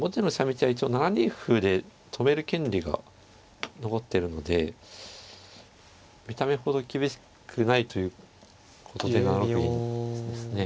道は一応７二歩で止める権利が残ってるので見た目ほど厳しくないということで７六銀ですね。